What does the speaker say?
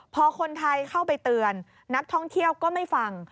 พอคนไทยเข้าไปเตือนนักท่องเที่ยวก็ไม่ฟัง